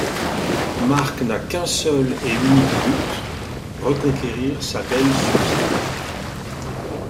Marc n'a qu'un seul et unique but: reconquérir sa belle Suzie.